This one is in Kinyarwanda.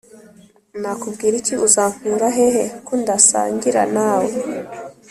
Nakubwiriki uzankurahehe kundasangira nawe